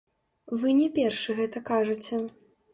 Вы не першы гэта кажаце.